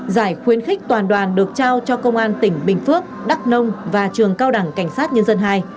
giải khuyến khích toàn đoàn được trao cho công an tỉnh bình phước đắk nông và trường cao đẳng cảnh sát nhân dân hai